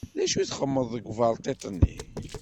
D acu txeddmeḍ deg uberṭiṭ-nni?